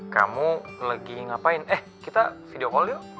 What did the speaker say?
kamu lagi ngapain eh kita video call yuk